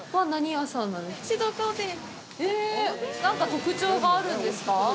なんか特徴があるんですか？